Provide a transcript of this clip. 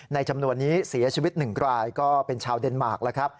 ในชำนวนนี้เสียชีวิต๑กรายก็เป็นชาวเดนมาร์ก